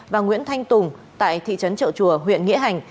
và nguyễn thanh tùng tại thị trấn trợ chùa huyện nghĩa hành